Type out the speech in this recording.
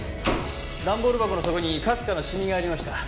ダンボール箱の底にかすかな染みがありました。